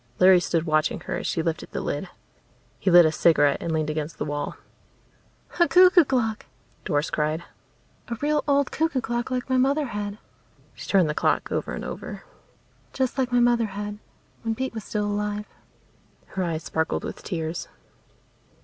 Larry stood watching her as she lifted the lid. He lit a cigarette and leaned against the wall. "A cuckoo clock!" Doris cried. "A real old cuckoo clock like my mother had." She turned the clock over and over. "Just like my mother had, when Pete was still alive." Her eyes sparkled with tears.